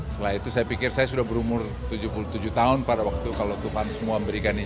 setelah itu saya pikir saya sudah berumur tujuh puluh tujuh tahun pada waktu kalau tuhan semua memberikan ini